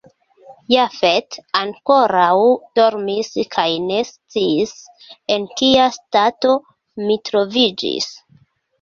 Jafet ankoraŭ dormis kaj ne sciis, en kia stato mi troviĝis.